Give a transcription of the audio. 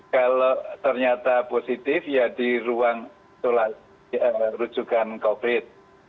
kalau ternyata positif ya di ruang rujukan covid